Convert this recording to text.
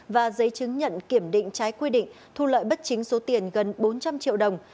và giấy chứng nhận kiểm định trái quy định thu lợi bất chính số tiền gần bốn trăm linh triệu đồng